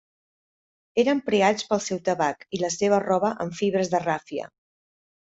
Eren preats pel seu tabac i la seva roba en fibres de ràfia.